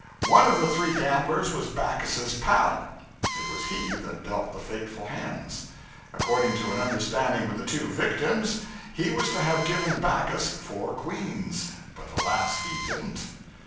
One of the three gamblers was Backus's 'pal.' It was he that dealt the fateful hands. According to an understanding with the two victims, he was to have given Backus four queens, but alas, he didn't.